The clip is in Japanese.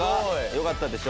よかったでしょ？